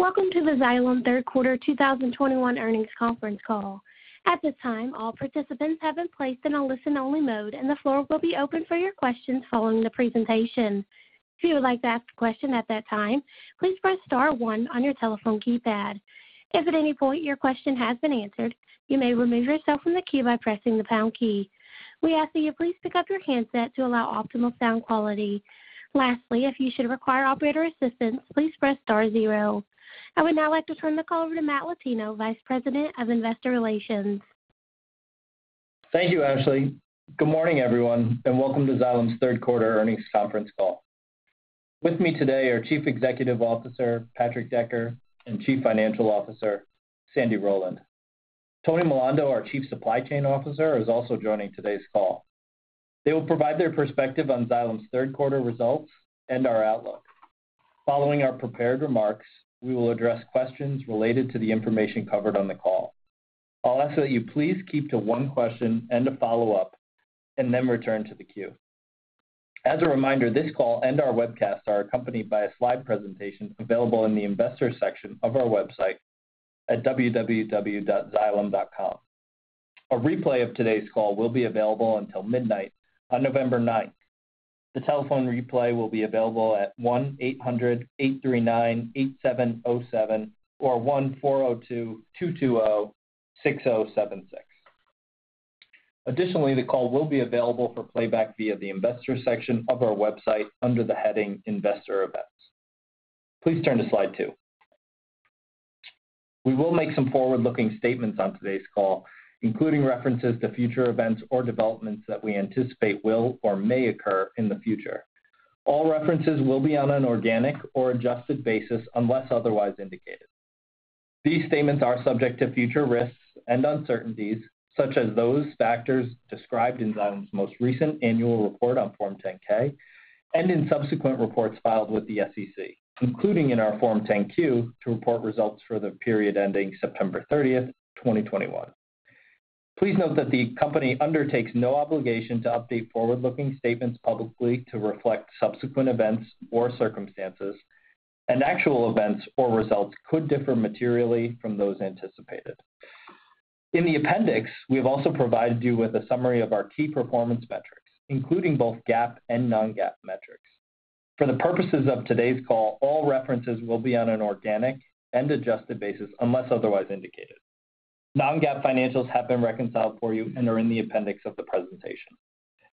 Welcome to the Xylem Third Quarter 2021 earnings conference call. At this time, all participants have been placed in a listen-only mode, and the floor will be open for your questions following the presentation. If you would like to ask a question at that time, please press star one on your telephone keypad. If at any point your question has been answered, you may remove yourself from the queue by pressing the pound key. We ask that you please pick up your handset to allow optimal sound quality. Lastly, if you should require operator assistance, please press star zero. I would now like to turn the call over to Matt Latino, Vice President of Investor Relations. Thank you, Ashley. Good morning, everyone, and welcome to Xylem's third quarter earnings conference call. With me today are Chief Executive Officer Patrick Decker and Chief Financial Officer Sandra Rowland. Tony Milando, our Chief Supply Chain Officer, is also joining today's call. They will provide their perspective on Xylem's third quarter results and our outlook. Following our prepared remarks, we will address questions related to the information covered on the call. I'll ask that you please keep to one question and a follow-up, and then return to the queue. As a reminder, this call and our webcasts are accompanied by a slide presentation available in the investors section of our website at www.xylem.com. A replay of today's call will be available until midnight on November 9th. The telephone replay will be available at 1-800-839-8707 or 140-222-0676. Additionally, the call will be available for playback via the investors section of our website under the heading Investor Events. Please turn to slide 2. We will make some forward-looking statements on today's call, including references to future events or developments that we anticipate will or may occur in the future. All references will be on an organic or adjusted basis unless otherwise indicated. These statements are subject to future risks and uncertainties, such as those factors described in Xylem's most recent annual report on Form 10-K and in subsequent reports filed with the SEC, including in our Form 10-Q to report results for the period ending September 30th, 2021. Please note that the company undertakes no obligation to update forward-looking statements publicly to reflect subsequent events or circumstances, and actual events or results could differ materially from those anticipated. In the appendix, we have also provided you with a summary of our key performance metrics, including both GAAP and non-GAAP metrics. For the purposes of today's call, all references will be on an organic and adjusted basis unless otherwise indicated. Non-GAAP financials have been reconciled for you and are in the appendix of the presentation.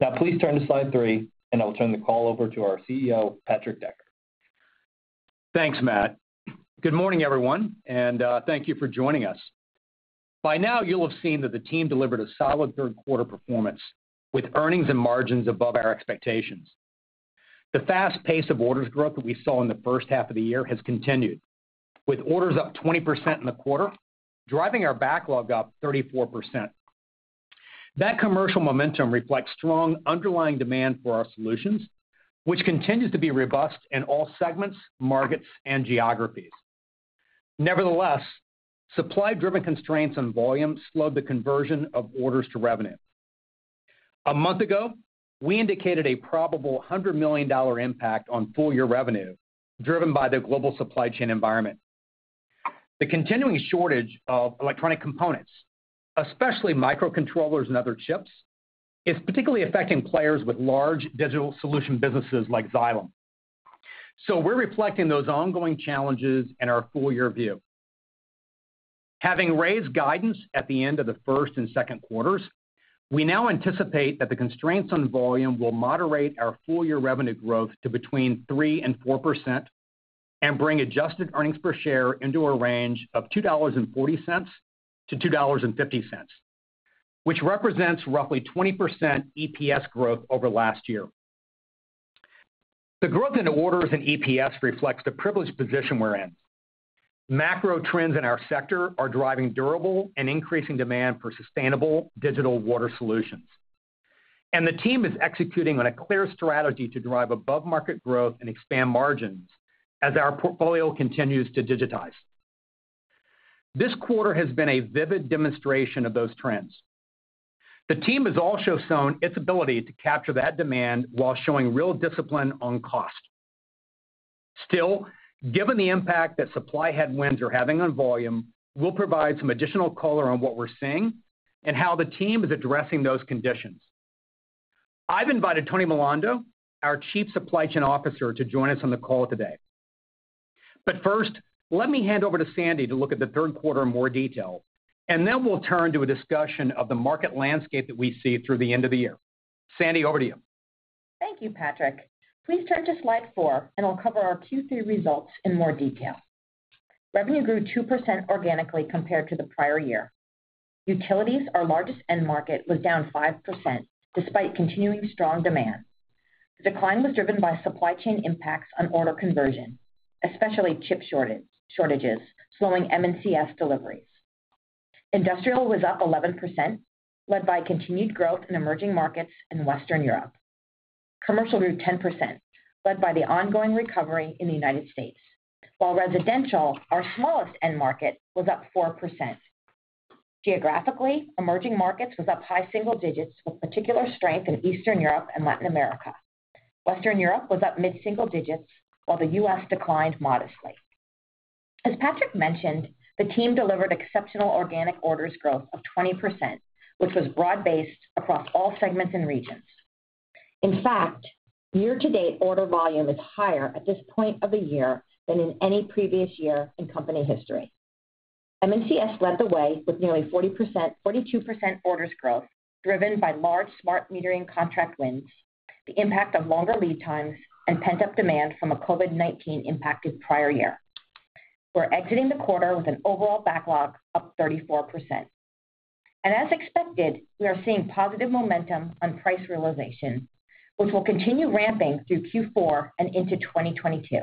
Now please turn to slide three, and I will turn the call over to our CEO, Patrick Decker. Thanks, Matt. Good morning, everyone, and thank you for joining us. By now you'll have seen that the team delivered a solid third quarter performance with earnings and margins above our expectations. The fast pace of orders growth that we saw in the first half of the year has continued, with orders up 20% in the quarter, driving our backlog up 34%. That commercial momentum reflects strong underlying demand for our solutions, which continues to be robust in all segments, markets and geographies. Nevertheless, supply-driven constraints on volume slowed the conversion of orders to revenue. A month ago, we indicated a probable $100 million impact on full year revenue driven by the global supply chain environment. The continuing shortage of electronic components, especially microcontrollers and other chips, is particularly affecting players with large digital solution businesses like Xylem. We're reflecting those ongoing challenges in our full-year view. Having raised guidance at the end of the first and second quarters, we now anticipate that the constraints on volume will moderate our full year revenue growth to between 3% and 4% and bring adjusted earnings per share into a range of $2.40 to $2.50, which represents roughly 20% EPS growth over last year. The growth in the orders and EPS reflects the privileged position we're in. Macro trends in our sector are driving durable and increasing demand for sustainable digital water solutions. The team is executing on a clear strategy to drive above-market growth and expand margins as our portfolio continues to digitize. This quarter has been a vivid demonstration of those trends. The team has also shown its ability to capture that demand while showing real discipline on cost. Still, given the impact that supply headwinds are having on volume, we'll provide some additional color on what we're seeing and how the team is addressing those conditions. I've invited Tony Milando, our Chief Supply Chain Officer, to join us on the call today. First, let me hand over to Sandy to look at the third quarter in more detail, and then we'll turn to a discussion of the market landscape that we see through the end of the year. Sandy, over to you. Thank you, Patrick. Please turn to slide 4, and I'll cover our Q3 results in more detail. Revenue grew 2% organically compared to the prior year. Utilities, our largest end market, was down 5% despite continuing strong demand. The decline was driven by supply chain impacts on order conversion, especially chip shortages, slowing M&CS deliveries. Industrial was up 11%, led by continued growth in emerging markets in Western Europe. Commercial grew 10%, led by the ongoing recovery in the United States. While residential, our smallest end market, was up 4%. Geographically, emerging markets was up high-single digits with particular strength in Eastern Europe and Latin America. Western Europe was up mid-single digits, while the U.S. declined modestly. As Patrick mentioned, the team delivered exceptional organic orders growth of 20%, which was broad-based across all segments and regions. In fact, year-to-date order volume is higher at this point of the year than in any previous year in company history. M&CS led the way with nearly 42% orders growth, driven by large smart metering contract wins, the impact of longer lead times, and pent-up demand from a COVID-19 impacted prior year. We're exiting the quarter with an overall backlog up 34%. As expected, we are seeing positive momentum on price realization, which will continue ramping through Q4 and into 2022.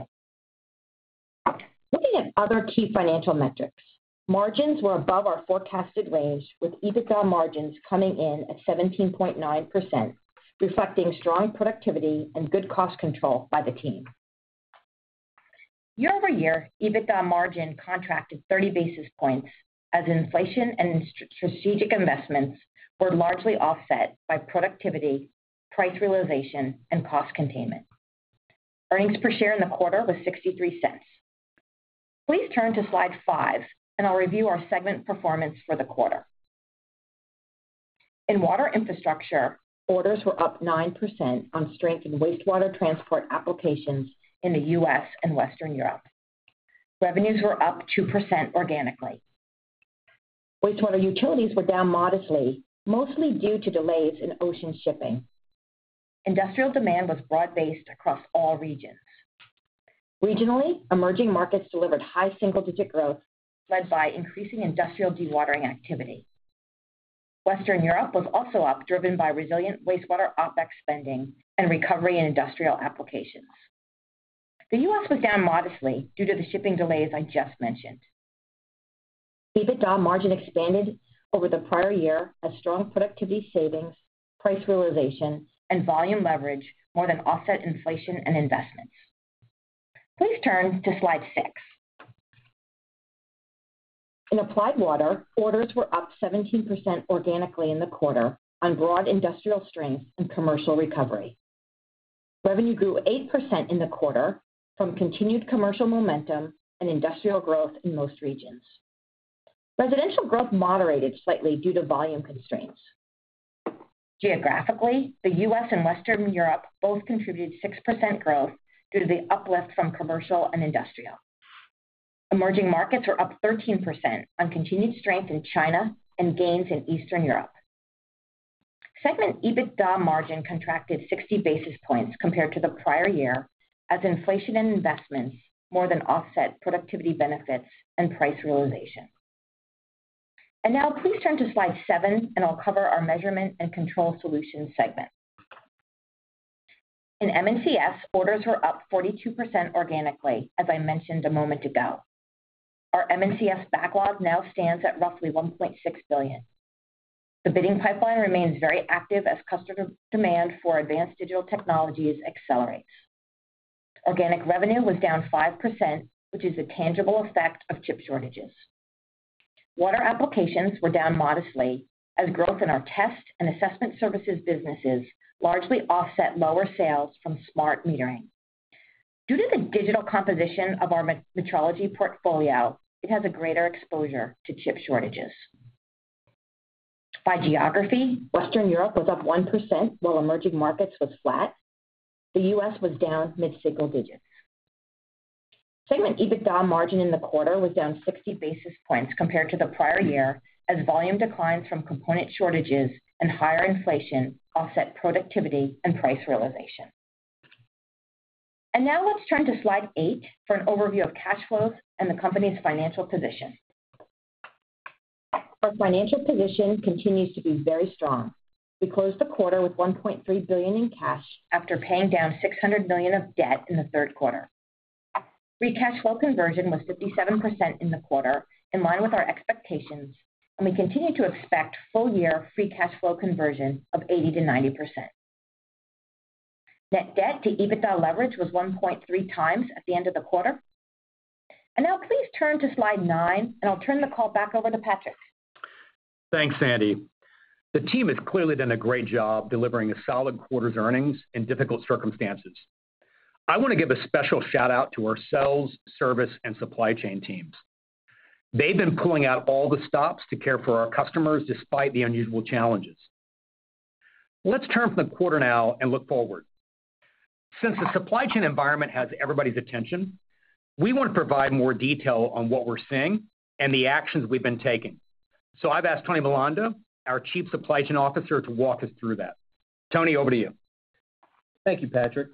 Looking at other key financial metrics. Margins were above our forecasted range, with EBITDA margins coming in at 17.9%, reflecting strong productivity and good cost control by the team. Year-over-year, EBITDA margin contracted 30 basis points as inflation and strategic investments were largely offset by productivity, price realization, and cost containment. Earnings per share in the quarter was $0.63. Please turn to slide 5, and I'll review our segment performance for the quarter. In Water Infrastructure, orders were up 9% on strength in wastewater transport applications in the U.S. and Western Europe. Revenues were up 2% organically. Wastewater utilities were down modestly, mostly due to delays in ocean shipping. Industrial demand was broad-based across all regions. Regionally, emerging markets delivered high single-digit growth, led by increasing industrial dewatering activity. Western Europe was also up, driven by resilient wastewater OpEx spending and recovery in industrial applications. The U.S. was down modestly due to the shipping delays I just mentioned. EBITDA margin expanded over the prior year as strong productivity savings, price realization, and volume leverage more than offset inflation and investments. Please turn to slide 6. In Applied Water, orders were up 17% organically in the quarter on broad industrial strength and commercial recovery. Revenue grew 8% in the quarter from continued commercial momentum and industrial growth in most regions. Residential growth moderated slightly due to volume constraints. Geographically, the U.S. and Western Europe both contributed 6% growth due to the uplift from commercial and industrial. Emerging markets are up 13% on continued strength in China and gains in Eastern Europe. Segment EBITDA margin contracted 60 basis points compared to the prior year as inflation and investments more than offset productivity benefits and price realization. Now please turn to slide 7, and I'll cover our Measurement & Control Solutions segment. In M&CS, orders were up 42% organically, as I mentioned a moment ago. Our M&CS backlog now stands at roughly $1.6 billion. The bidding pipeline remains very active as customer demand for advanced digital technologies accelerates. Organic revenue was down 5%, which is a tangible effect of chip shortages. Water applications were down modestly as growth in our test and assessment services businesses largely offset lower sales from smart metering. Due to the digital composition of our metrology portfolio, it has a greater exposure to chip shortages. By geography, Western Europe was up 1%, while emerging markets was flat. The U.S. was down mid-single digits. Segment EBITDA margin in the quarter was down 60 basis points compared to the prior year as volume declines from component shortages and higher inflation offset productivity and price realization. Now let's turn to slide 8 for an overview of cash flows and the company's financial position. Our financial position continues to be very strong. We closed the quarter with $1.3 billion in cash after paying down $600 million of debt in the third quarter. Free cash flow conversion was 57% in the quarter, in line with our expectations, and we continue to expect full-year free cash flow conversion of 80% to 90%. Net debt to EBITDA leverage was 1.3x at the end of the quarter. Now please turn to slide 9, and I'll turn the call back over to Patrick. Thanks, Sandy. The team has clearly done a great job delivering a solid quarter's earnings in difficult circumstances. I want to give a special shout-out to our sales, service, and supply chain teams. They've been pulling out all the stops to care for our customers despite the unusual challenges. Let's turn from the quarter now and look forward. Since the supply chain environment has everybody's attention, we want to provide more detail on what we're seeing and the actions we've been taking. I've asked Tony Milando, our Chief Supply Chain Officer, to walk us through that. Tony, over to you. Thank you, Patrick.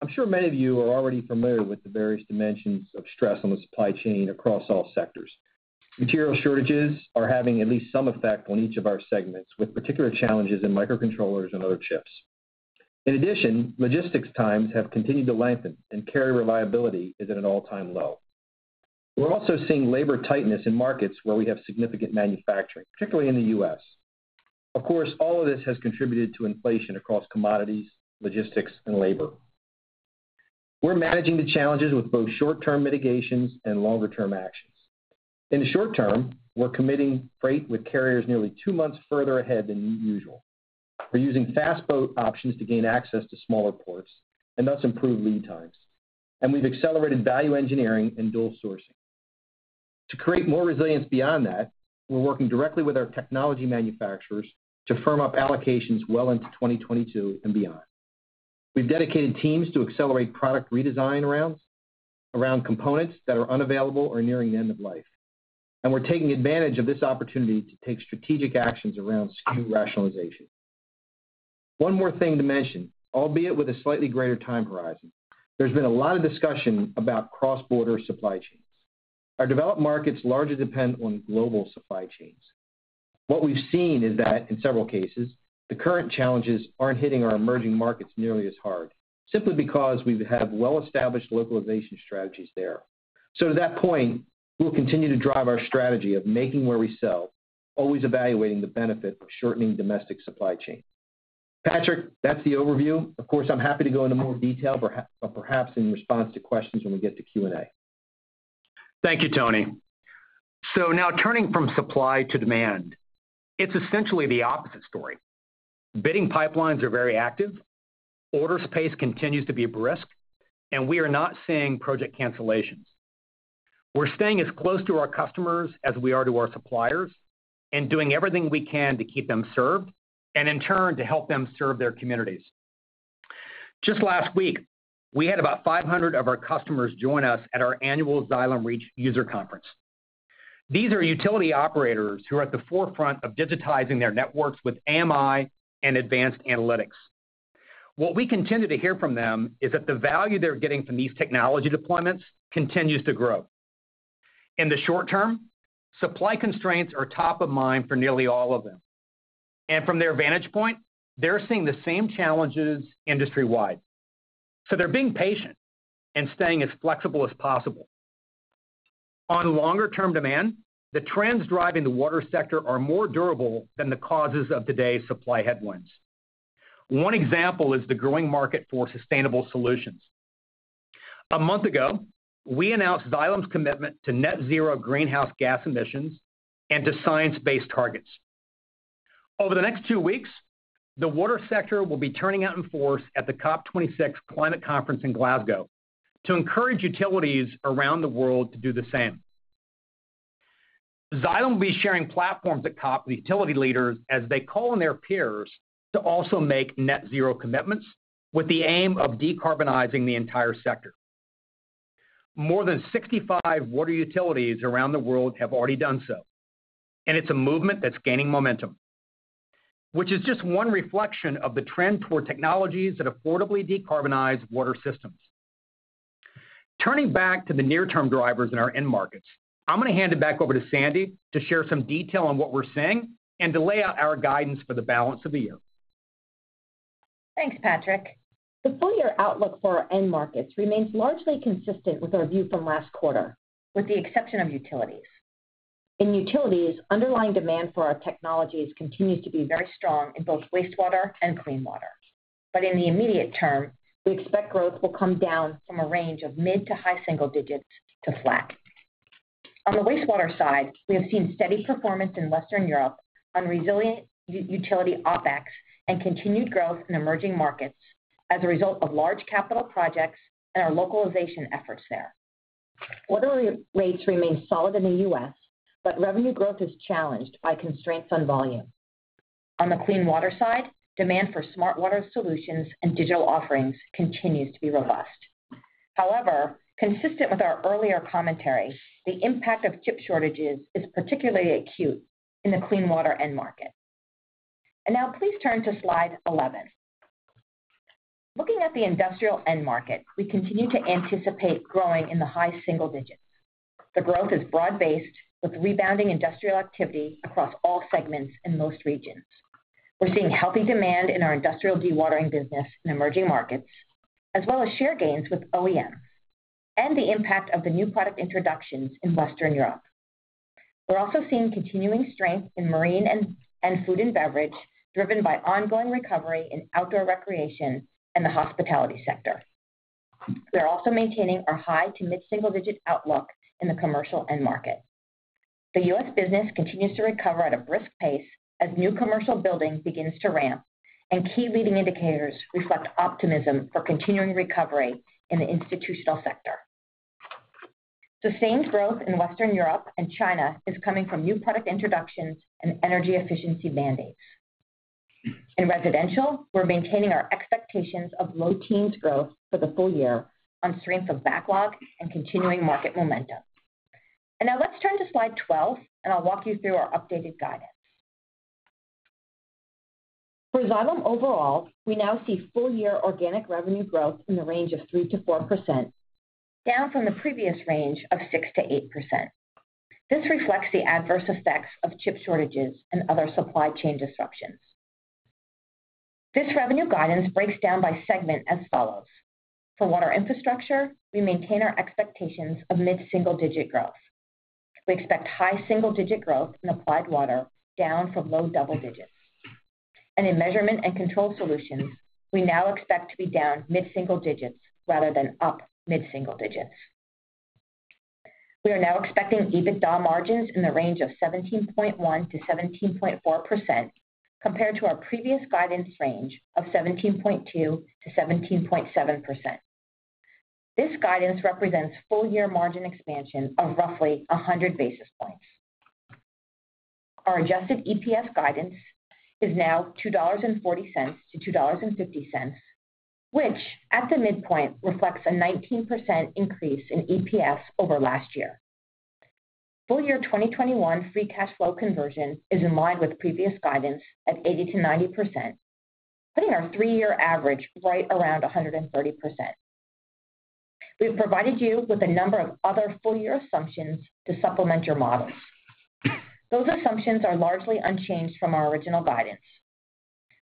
I'm sure many of you are already familiar with the various dimensions of stress on the supply chain across all sectors. Material shortages are having at least some effect on each of our segments, with particular challenges in microcontrollers and other chips. In addition, logistics times have continued to lengthen, and carrier reliability is at an all-time low. We're also seeing labor tightness in markets where we have significant manufacturing, particularly in the U.S. Of course, all of this has contributed to inflation across commodities, logistics, and labor. We're managing the challenges with both short-term mitigations and longer-term actions. In the short term, we're committing freight with carriers nearly two months further ahead than usual. We're using fast boat options to gain access to smaller ports and thus improve lead times. We've accelerated value engineering and dual sourcing. To create more resilience beyond that, we're working directly with our technology manufacturers to firm up allocations well into 2022 and beyond. We've dedicated teams to accelerate product redesign arounds, around components that are unavailable or nearing the end of life. We're taking advantage of this opportunity to take strategic actions around SKU rationalization. One more thing to mention, albeit with a slightly greater time horizon, there's been a lot of discussion about cross-border supply chains. Our developed markets largely depend on global supply chains. What we've seen is that in several cases, the current challenges aren't hitting our emerging markets nearly as hard, simply because we have well-established localization strategies there. To that point, we'll continue to drive our strategy of making where we sell, always evaluating the benefit of shortening domestic supply chain. Patrick, that's the overview. Of course, I'm happy to go into more detail, perhaps in response to questions when we get to Q&A. Thank you, Tony. Now turning from supply to demand, it's essentially the opposite story. Bidding pipelines are very active. Orders pace continues to be brisk, and we are not seeing project cancellations. We're staying as close to our customers as we are to our suppliers and doing everything we can to keep them served and in turn to help them serve their communities. Just last week, we had about 500 of our customers join us at our annual Xylem Reach User Conference. These are utility operators who are at the forefront of digitizing their networks with AMI and advanced analytics. What we continue to hear from them is that the value they're getting from these technology deployments continues to grow. In the short term, supply constraints are top of mind for nearly all of them. From their vantage point, they're seeing the same challenges industry-wide. They're being patient and staying as flexible as possible. On longer-term demand, the trends driving the water sector are more durable than the causes of today's supply headwinds. One example is the growing market for sustainable solutions. A month ago, we announced Xylem's commitment to net zero greenhouse gas emissions and to science-based targets. Over the next two weeks, the water sector will be turning out in force at the COP26 Climate Conference in Glasgow to encourage utilities around the world to do the same. Xylem will be sharing platforms at COP with utility leaders as they call on their peers to also make net zero commitments with the aim of decarbonizing the entire sector. More than 65 water utilities around the world have already done so, and it's a movement that's gaining momentum, which is just one reflection of the trend toward technologies that affordably decarbonize water systems. Turning back to the near-term drivers in our end markets, I'm going to hand it back over to Sandy to share some detail on what we're seeing and to lay out our guidance for the balance of the year. Thanks, Patrick. The full-year outlook for our end markets remains largely consistent with our view from last quarter, with the exception of utilities. In utilities, underlying demand for our technologies continues to be very strong in both wastewater and clean water. In the immediate term, we expect growth will come down from a range of mid to high-single digits to flat. On the wastewater side, we have seen steady performance in Western Europe on resilient utility OpEx and continued growth in emerging markets as a result of large capital projects and our localization efforts there. Water rates remain solid in the U.S., but revenue growth is challenged by constraints on volume. On the clean water side, demand for smart water solutions and digital offerings continues to be robust. However, consistent with our earlier commentary, the impact of chip shortages is particularly acute in the clean water end market. Now please turn to slide 11. Looking at the industrial end market, we continue to anticipate growing in the high-single digits. The growth is broad-based, with rebounding industrial activity across all segments in most regions. We're seeing healthy demand in our industrial dewatering business in emerging markets, as well as share gains with OEM and the impact of the new product introductions in Western Europe. We're also seeing continuing strength in marine and food and beverage, driven by ongoing recovery in outdoor recreation and the hospitality sector. We are also maintaining our high to mid-single-digit outlook in the commercial end market. The U.S. business continues to recover at a brisk pace as new commercial building begins to ramp and key leading indicators reflect optimism for continuing recovery in the institutional sector. Sustained growth in Western Europe and China is coming from new product introductions and energy efficiency mandates. In residential, we're maintaining our expectations of low-teens growth for the full-year on strength of backlog and continuing market momentum. Now let's turn to slide 12, and I'll walk you through our updated guidance. For Xylem overall, we now see full-year organic revenue growth in the range of 3% to 4%, down from the previous range of 6% to 8%. This reflects the adverse effects of chip shortages and other supply chain disruptions. This revenue guidance breaks down by segment as follows. For Water Infrastructure, we maintain our expectations of mid-single-digit growth. We expect high-single-digit growth in Applied Water, down from low-double-digits. In Measurement & Control Solutions, we now expect to be down mid-single-digits rather than up mid-single-digits. We are now expecting EBITDA margins in the range of 17.1% to 17.4% compared to our previous guidance range of 17.2% to 17.7%. This guidance represents full year margin expansion of roughly 100 basis points. Our adjusted EPS guidance is now $2.40 to $2.50, which at the midpoint reflects a 19% increase in EPS over last year. Full year 2021 free cash flow conversion is in line with previous guidance at 80% to 90%, putting our three-year average right around 130%. We've provided you with a number of other full year assumptions to supplement your models. Those assumptions are largely unchanged from our original guidance.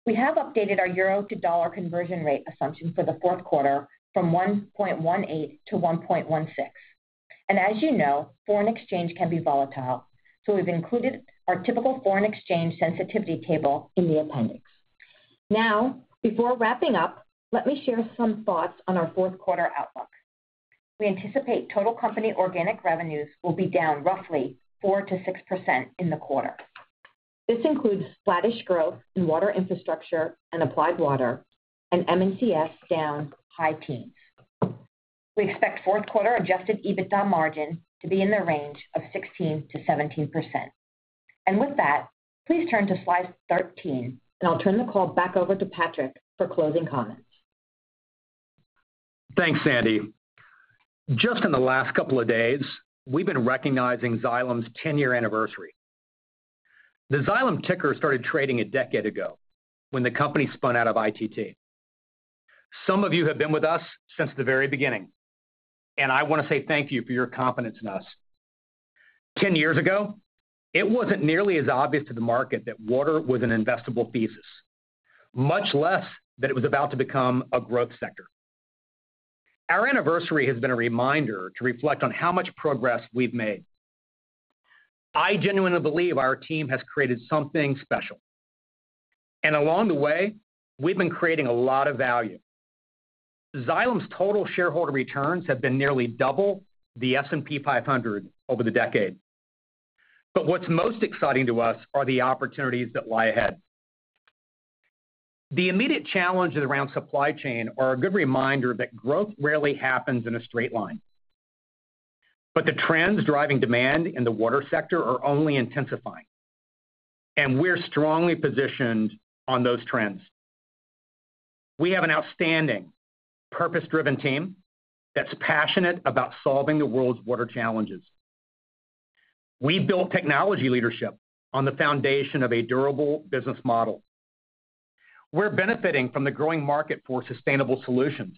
We have updated our euro to dollar conversion rate assumption for the fourth quarter from 1.18 to 1.16. As you know, foreign exchange can be volatile, so we've included our typical foreign exchange sensitivity table in the appendix. Now, before wrapping up, let me share some thoughts on our fourth quarter outlook. We anticipate total company organic revenues will be down roughly 4% to 6% in the quarter. This includes flattish growth in Water Infrastructure and Applied Water, and M&CS down high teens. We expect fourth quarter adjusted EBITDA margin to be in the range of 16% to 17%. With that, please turn to slide 13, and I'll turn the call back over to Patrick for closing comments. Thanks, Sandy. Just in the last couple of days, we've been recognizing Xylem's 10-year anniversary. The Xylem ticker started trading a decade ago when the company spun out of ITT. Some of you have been with us since the very beginning, and I wanna say thank you for your confidence in us. Ten years ago, it wasn't nearly as obvious to the market that water was an investable thesis, much less that it was about to become a growth sector. Our anniversary has been a reminder to reflect on how much progress we've made. I genuinely believe our team has created something special, and along the way, we've been creating a lot of value. Xylem's total shareholder returns have been nearly double the S&P 500 over the decade. What's most exciting to us are the opportunities that lie ahead. The immediate challenges around supply chain are a good reminder that growth rarely happens in a straight line. The trends driving demand in the water sector are only intensifying, and we're strongly positioned on those trends. We have an outstanding purpose-driven team that's passionate about solving the world's water challenges. We build technology leadership on the foundation of a durable business model. We're benefiting from the growing market for sustainable solutions,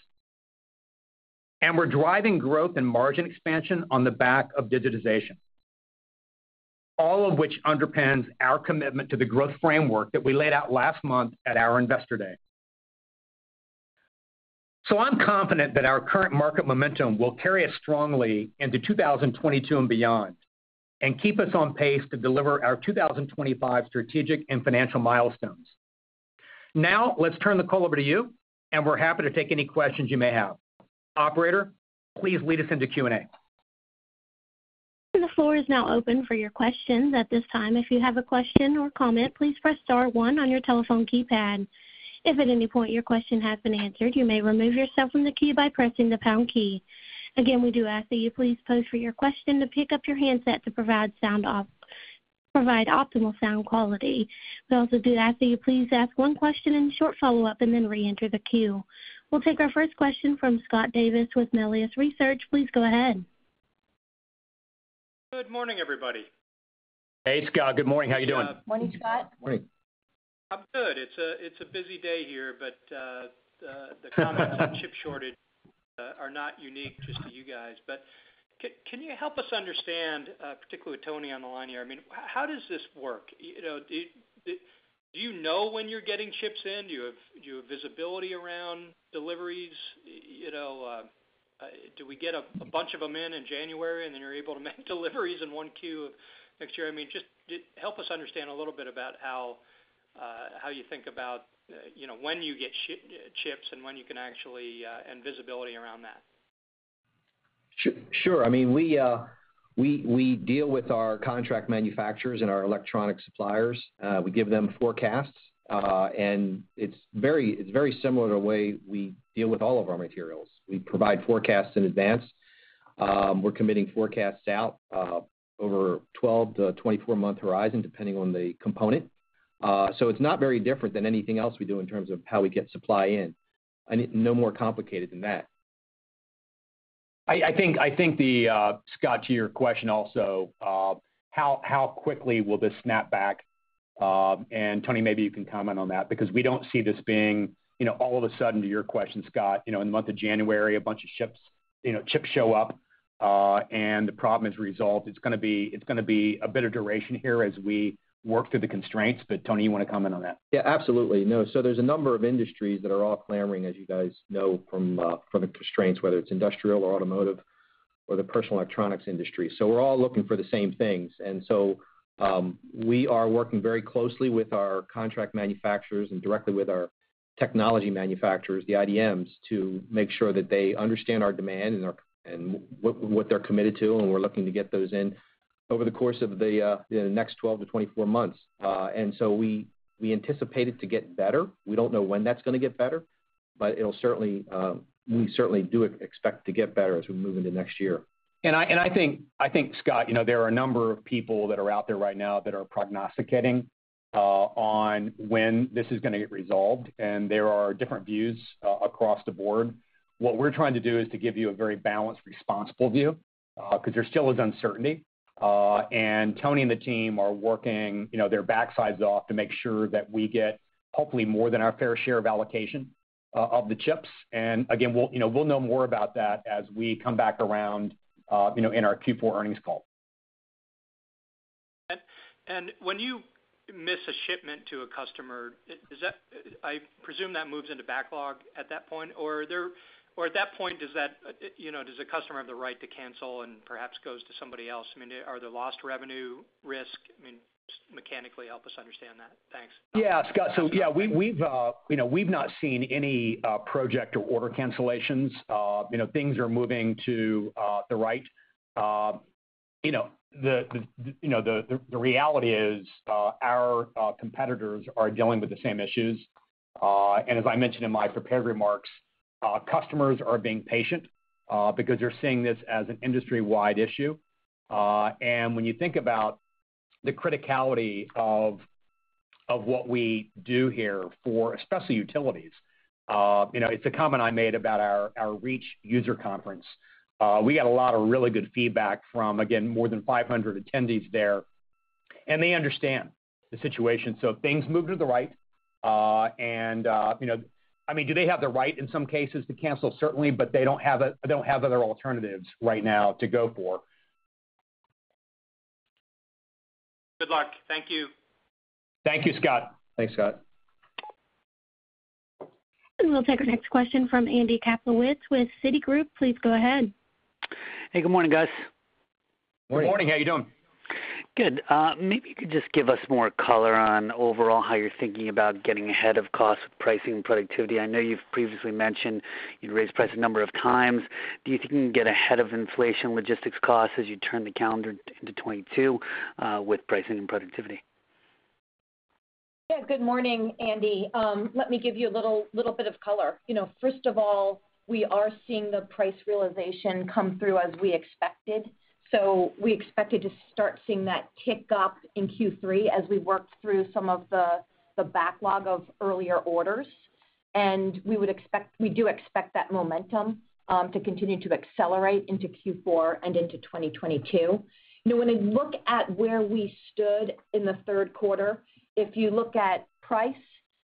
and we're driving growth and margin expansion on the back of digitization, all of which underpins our commitment to the growth framework that we laid out last month at our investor day. I'm confident that our current market momentum will carry us strongly into 2022 and beyond, and keep us on pace to deliver our 2025 strategic and financial milestones. Now, let's turn the call over to you, and we're happy to take any questions you may have. Operator, please lead us into Q&A. The floor is now open for your questions. At this time, if you have a question or comment, please press star one on your telephone keypad. If at any point your question has been answered, you may remove yourself from the queue by pressing the pound key. Again, we do ask that you please, to pose your question, pick up your handset to provide optimal sound quality. We also do ask that you please ask one question and short follow-up, and then reenter the queue. We'll take our first question from Scott Davis with Melius Research. Please go ahead. Good morning, everybody. Hey, Scott. Good morning. How you doing? Morning, Scott. Morning. I'm good. It's a busy day here, but the comments on chip shortage are not unique just to you guys. Can you help us understand, particularly with Tony on the line here, I mean, how does this work? You know, do you know when you're getting chips in? Do you have visibility around deliveries? You know, do we get a bunch of them in January, and then you're able to make deliveries in 1Q of next year? I mean, just help us understand a little bit about how you think about, you know, when you get chips and when you can actually, and visibility around that. Sure. I mean, we deal with our contract manufacturers and our electronic suppliers. We give them forecasts, and it's very similar to the way we deal with all of our materials. We provide forecasts in advance. We're committing forecasts out over 12-month to 24-month horizon, depending on the component. It's not very different than anything else we do in terms of how we get supply in, and it's no more complicated than that. I think, Scott, to your question also, how quickly will this snap back? Tony, maybe you can comment on that, because we don't see this being, you know, all of a sudden to your question, Scott, you know, in the month of January, a bunch of chips show up, and the problem is resolved. It's gonna be a bit of duration here as we work through the constraints. Tony, you wanna comment on that? Yeah, absolutely. No. There's a number of industries that are all clamoring, as you guys know, from the constraints, whether it's industrial or automotive or the personal electronics industry. We're all looking for the same things. We are working very closely with our contract manufacturers and directly with our technology manufacturers, the IDMs, to make sure that they understand our demand and what they're committed to, and we're looking to get those in over the course of the next 12 months to 24 months. We anticipate it to get better. We don't know when that's gonna get better, but it'll certainly, we certainly do expect it to get better as we move into next year. I think, Scott, you know, there are a number of people that are out there right now that are prognosticating on when this is gonna get resolved, and there are different views across the board. What we're trying to do is to give you a very balanced, responsible view, 'cause there still is uncertainty. Tony and the team are working, you know, their backsides off to make sure that we get, hopefully, more than our fair share of allocation of the chips. Again, we'll know more about that as we come back around, you know, in our Q4 earnings call. When you miss a shipment to a customer, is that I presume that moves into backlog at that point? Or at that point, does that, you know, does the customer have the right to cancel and perhaps goes to somebody else? I mean, are there lost revenue risk? I mean, just mechanically help us understand that. Thanks. Yeah, Scott. We've not seen any project or order cancellations. You know, things are moving to the right. You know, the reality is, our competitors are dealing with the same issues. And as I mentioned in my prepared remarks, customers are being patient because they're seeing this as an industry-wide issue. And when you think about the criticality of what we do here for especially utilities, you know, it's a comment I made about our Reach User Conference. We got a lot of really good feedback from, again, more than 500 attendees there, and they understand the situation. Things move to the right. You know, I mean, do they have the right in some cases to cancel? Certainly, but they don't have other alternatives right now to go for. Good luck. Thank you. Thank you, Scott. Thanks, Scott. We'll take our next question from Andy Kaplowitz with Citigroup. Please go ahead. Hey, good morning, guys. Good morning. How you doing? Good. Maybe you could just give us more color on overall how you're thinking about getting ahead of cost pricing and productivity. I know you've previously mentioned you'd raise price a number of times. Do you think you can get ahead of inflation logistics costs as you turn the calendar into 2022, with pricing and productivity? Good morning, Andy. Let me give you a little bit of color. You know, first of all, we are seeing the price realization come through as we expected. We expected to start seeing that tick up in Q3 as we worked through some of the backlog of earlier orders. We do expect that momentum to continue to accelerate into Q4 and into 2022. You know, when I look at where we stood in the third quarter, if you look at price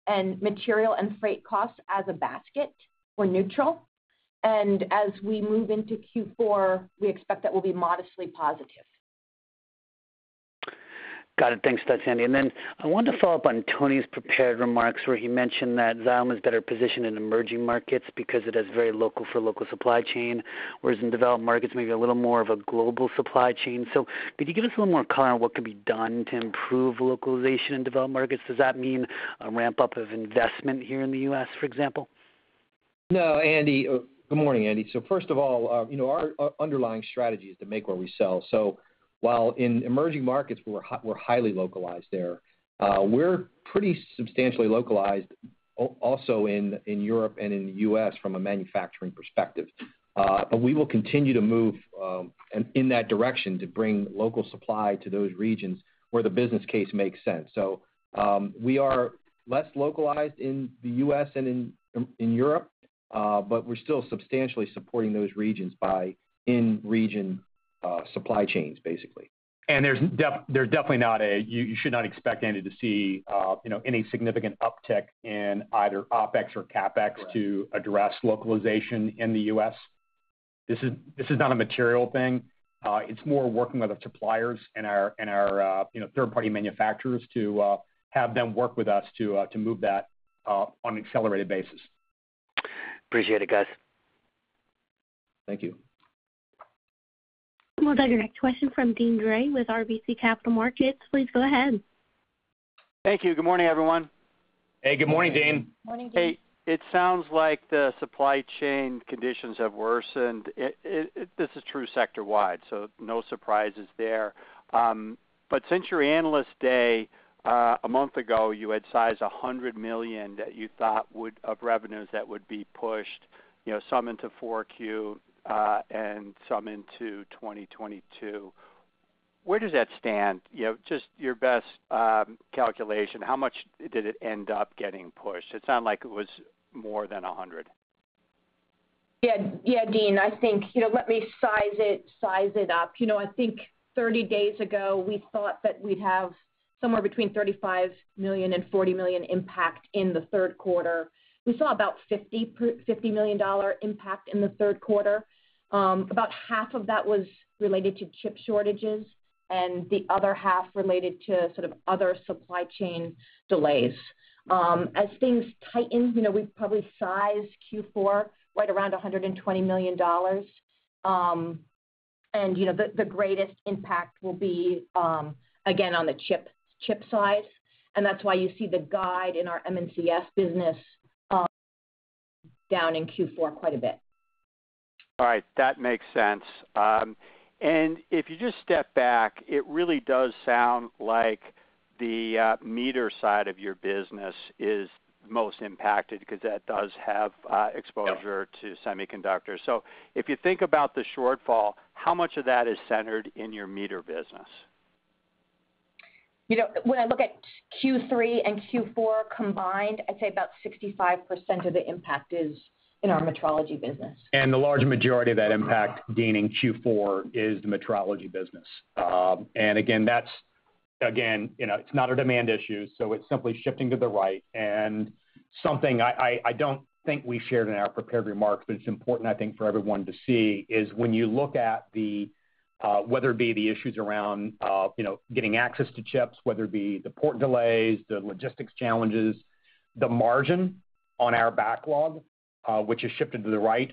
and material and freight costs as a basket, we're neutral. As we move into Q4, we expect that we'll be modestly positive. Got it. Thanks, Sandy. Then I wanted to follow up on Tony's prepared remarks where he mentioned that Xylem is better positioned in emerging markets because it has very local for local supply chain, whereas in developed markets, maybe a little more of a global supply chain. Could you give us a little more color on what could be done to improve localization in developed markets? Does that mean a ramp-up of investment here in the U.S., for example? No, Andy. Good morning, Andy. First of all, you know, our underlying strategy is to make where we sell. While in emerging markets, we're highly localized there, we're pretty substantially localized also in Europe and in the U.S. from a manufacturing perspective. But we will continue to move in that direction to bring local supply to those regions where the business case makes sense. We are less localized in the U.S. and in Europe, but we're still substantially supporting those regions by in-region supply chains, basically. There's definitely not. You should not expect, Andy, to see, you know, any significant uptick in either OpEx or CapEx. Right To address localization in the U.S. This is not a material thing. It's more working with our suppliers and our you know, third-party manufacturers to move that on an accelerated basis. Appreciate it, guys. Thank you. We'll take our next question from Deane Dray with RBC Capital Markets. Please go ahead. Thank you. Good morning, everyone. Hey, good morning, Deane. Morning, Deane. Hey, it sounds like the supply chain conditions have worsened. This is true sector-wide, so no surprises there. Since your Analyst Day a month ago, you had sized $100 million of revenues that you thought would be pushed, you know, some into 4Q and some into 2022. Where does that stand? You know, just your best calculation, how much did it end up getting pushed? It sounded like it was more than $100 million. Yeah. Yeah, Dean. I think, you know, let me size it up. You know, I think 30 days ago, we thought that we'd have somewhere between $35 million and $40 million impact in the third quarter. We saw about $50 million impact in the third quarter. About half of that was related to chip shortages. And the other half related to sort of other supply chain delays. As things tighten, you know, we've probably sized Q4 right around $120 million. And you know, the greatest impact will be, again, on the chip size, and that's why you see the guide in our M&CS business, down in Q4 quite a bit. All right. That makes sense. If you just step back, it really does sound like the meter side of your business is most impacted because that does have exposure. Yeah. -to semiconductors. If you think about the shortfall, how much of that is centered in your meter business? You know, when I look at Q3 and Q4 combined, I'd say about 65% of the impact is in our metrology business. The large majority of that impact in Q4 is the metrology business. Again, that's, you know, it's not a demand issue, so it's simply shifting to the right. Something I don't think we shared in our prepared remarks, but it's important I think for everyone to see, is when you look at whether it be the issues around, you know, getting access to chips, whether it be the port delays, the logistics challenges, the margin on our backlog, which has shifted to the right,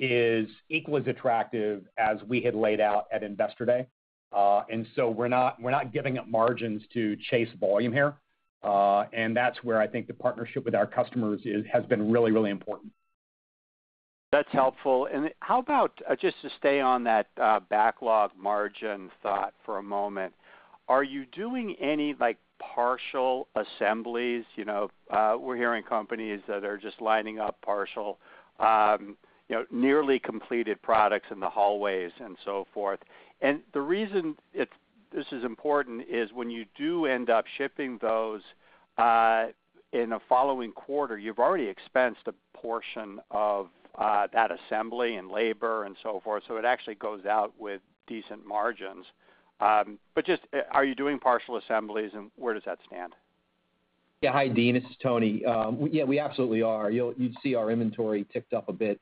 is equally as attractive as we had laid out at Investor Day. We're not giving up margins to chase volume here. That's where I think the partnership with our customers has been really, really important. That's helpful. How about just to stay on that, backlog margin thought for a moment. Are you doing any like partial assemblies? You know, we're hearing companies that are just lining up partial, you know, nearly completed products in the hallways and so forth. The reason this is important is when you do end up shipping those, in a following quarter, you've already expensed a portion of, that assembly and labor and so forth. It actually goes out with decent margins. Just are you doing partial assemblies, and where does that stand? Yeah. Hi, Deane. This is Tony. Yeah, we absolutely are. You'd see our inventory ticked up a bit,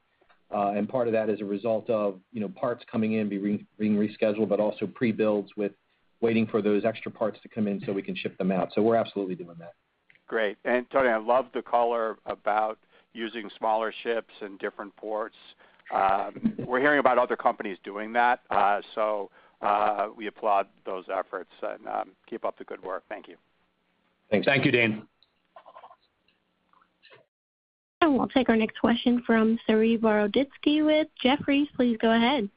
and part of that is a result of, you know, parts coming in being rescheduled, but also prebuilds with waiting for those extra parts to come in so we can ship them out. We're absolutely doing that. Great. Tony, I love the color about using smaller ships and different ports. We're hearing about other companies doing that. We applaud those efforts and keep up the good work. Thank you. Thanks. Thank you, Deane. We'll take our next question from Saree Boroditsky with Jefferies. Please go ahead.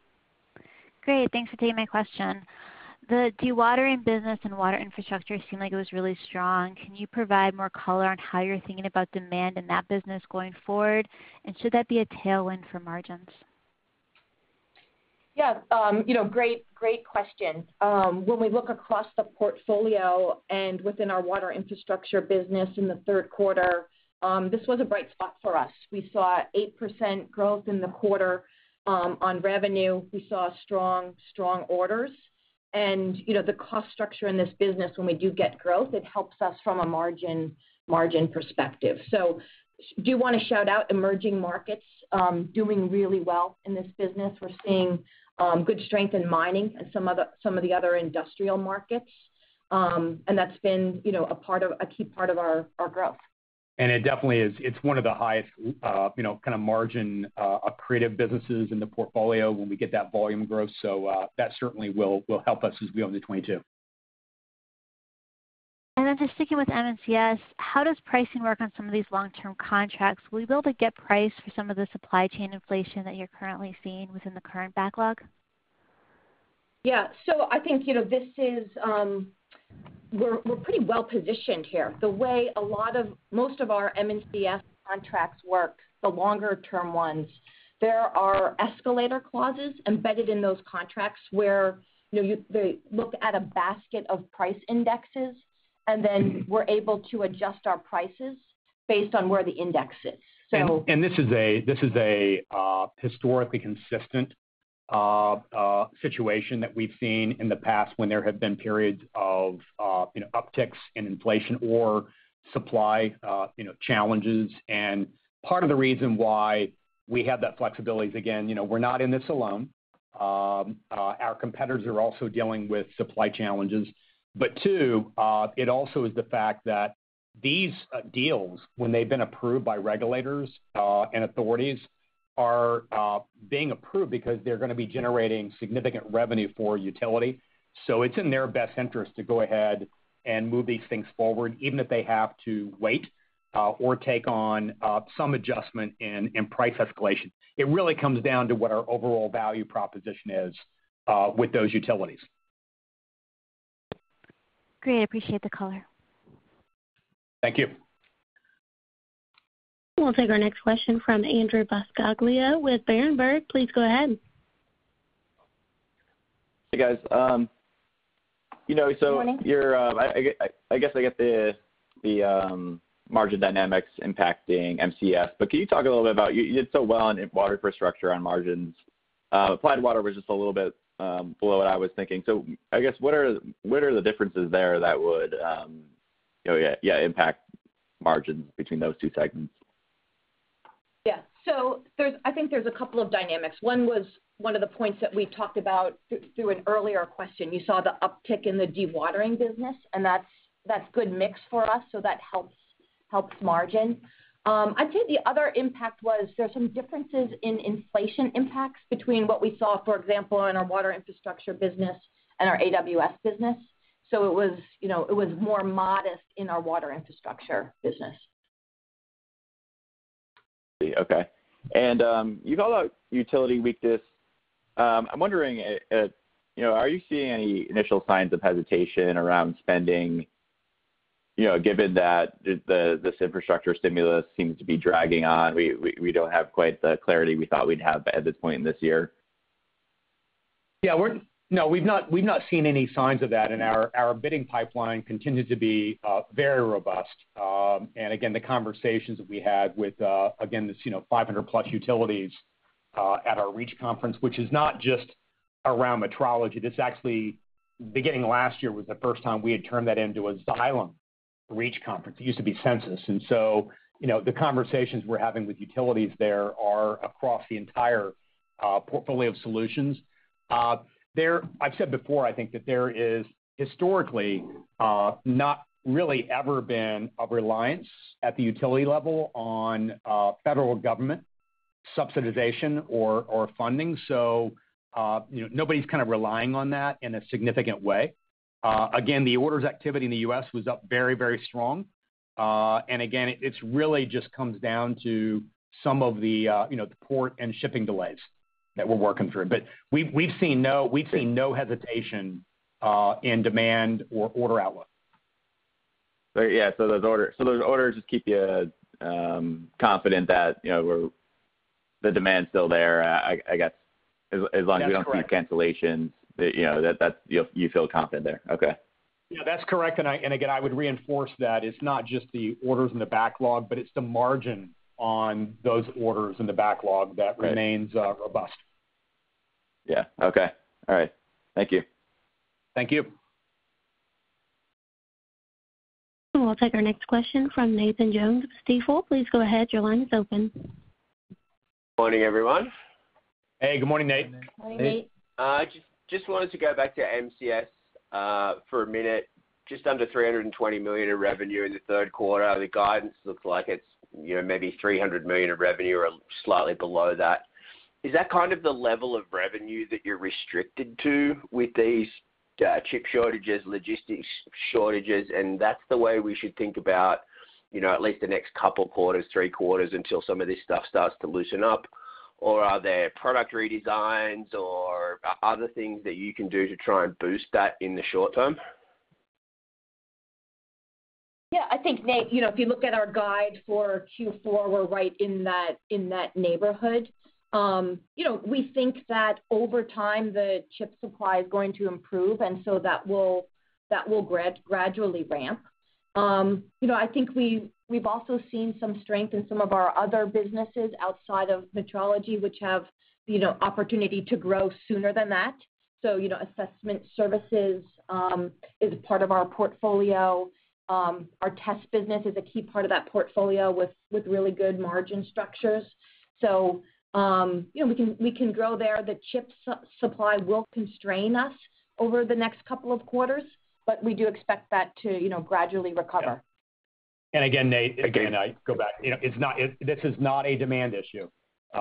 Great. Thanks for taking my question. The dewatering business and Water Infrastructure seemed like it was really strong. Can you provide more color on how you're thinking about demand in that business going forward? And should that be a tailwind for margins? Yeah. You know, great question. When we look across the portfolio and within our Water Infrastructure business in the third quarter, this was a bright spot for us. We saw 8% growth in the quarter on revenue. We saw strong orders. You know, the cost structure in this business when we do get growth, it helps us from a margin perspective. Do want to shout out emerging markets doing really well in this business. We're seeing good strength in mining and some of the other industrial markets. That's been you know, a key part of our growth. It definitely is. It's one of the highest, you know, kind of margin, accretive businesses in the portfolio when we get that volume growth. That certainly will help us as we go into 2022. Just sticking with M&CS, how does pricing work on some of these long-term contracts? Will you be able to get pricing for some of the supply chain inflation that you're currently seeing within the current backlog? I think, you know, this is. We're pretty well positioned here. The way most of our M&CS contracts work, the longer term ones, there are escalator clauses embedded in those contracts where, you know, they look at a basket of price indexes, and then we're able to adjust our prices based on where the index is. So. This is a historically consistent situation that we've seen in the past when there have been periods of you know upticks in inflation or supply you know challenges. Part of the reason why we have that flexibility is again you know we're not in this alone. Our competitors are also dealing with supply challenges. Two it also is the fact that these deals when they've been approved by regulators and authorities are being approved because they're gonna be generating significant revenue for utility. It's in their best interest to go ahead and move these things forward even if they have to wait or take on some adjustment in price escalation. It really comes down to what our overall value proposition is with those utilities. Great. I appreciate the color. Thank you. We'll take our next question from Andrew Buscaglia with Berenberg. Please go ahead. Hey, guys. You know, Morning. I guess I get the margin dynamics impacting M&CS, but can you talk a little bit about you did so well on Water Infrastructure on margins. Applied Water was just a little bit below what I was thinking. I guess what are the differences there that would impact margins between those two segments? I think there's a couple of dynamics. One was one of the points that we talked about through an earlier question. You saw the uptick in the dewatering business, and that's good mix for us, so that helps margin. I'd say the other impact was there's some differences in inflation impacts between what we saw, for example, in our Water Infrastructure business and our AWS business. It was, you know, it was more modest in our Water Infrastructure business. Okay. You called out utility weakness. I'm wondering, you know, are you seeing any initial signs of hesitation around spending, you know, given that this infrastructure stimulus seems to be dragging on? We don't have quite the clarity we thought we'd have at this point this year. No, we've not seen any signs of that, and our bidding pipeline continued to be very robust. And again, the conversations that we had with, again, this, you know, 500+ utilities at our Reach Conference, which is not just around metrology. This actually, beginning last year, was the first time we had turned that into a Xylem Reach Conference. It used to be Sensus. You know, the conversations we're having with utilities there are across the entire portfolio of solutions. I've said before, I think that there is historically not really ever been a reliance at the utility level on federal government subsidization or funding. You know, nobody's kind of relying on that in a significant way. Again, the orders activity in the U.S. was up very, very strong. Again, it really just comes down to some of the, you know, the port and shipping delays that we're working through. We've seen no hesitation in demand or order outlook. Yeah. Those orders just keep you confident that, you know, the demand's still there. I guess as long as- That's correct. We don't see cancellations that, you know, that. You feel confident there. Okay. Yeah, that's correct. Again, I would reinforce that it's not just the orders in the backlog, but it's the margin on those orders in the backlog that- Right. remains robust. Yeah. Okay. All right. Thank you. Thank you. We'll take our next question from Nathan Jones of Stifel. Please go ahead. Your line is open. Morning, everyone. Hey, good morning, Nate. Morning, Nate. Just wanted to go back to M&CS for a minute. Just under $320 million in revenue in the third quarter. The guidance looks like it's, you know, maybe $300 million of revenue or slightly below that. Is that kind of the level of revenue that you're restricted to with these chip shortages, logistics shortages, and that's the way we should think about, you know, at least the next couple quarters, three quarters until some of this stuff starts to loosen up? Or are there product redesigns or other things that you can do to try and boost that in the short term? Yeah, I think, Nate, you know, if you look at our guide for Q4, we're right in that neighborhood. We think that over time, the chip supply is going to improve, and so that will gradually ramp. I think we've also seen some strength in some of our other businesses outside of metrology, which have, you know, opportunity to grow sooner than that. Assessment services is part of our portfolio. Our test business is a key part of that portfolio with really good margin structures. You know, we can grow there. The chip supply will constrain us over the next couple of quarters, but we do expect that to gradually recover. Nate, I go back. You know, it's not a demand issue. You